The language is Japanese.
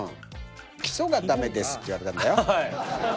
「基礎がダメです」って言われたんだよ。